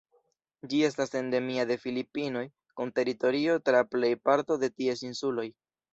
Ĝi estas endemia de Filipinoj, kun teritorio tra plej parto de ties insuloj.